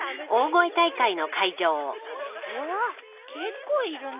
うわっ結構いるね。